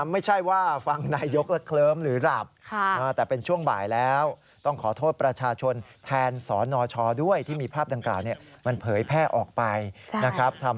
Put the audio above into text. ไม่ใช่ว่าฟังนายยกละเคลิ้มหรือหลับ